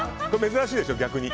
珍しいでしょ、逆に。